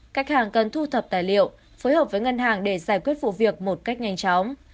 khách hàng cần thu thập tài liệu phối hợp với ngân hàng để giải quyết vụ việc một cách nhanh chóng